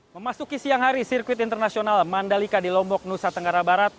memasuki siang hari sirkuit internasional mandalika di lombok nusa tenggara barat